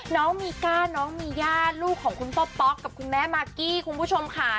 น้องมีก้าน้องมีย่าลูกของคุณพ่อป๊อกกับคุณแม่มากกี้คุณผู้ชมค่ะ